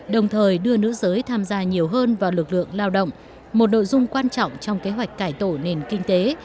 đồng thời đưa nữ giới tham gia nhiều hơn vào lực lượng lao động một nội dung quan trọng trong kế hoạch cải tổ nền kinh tế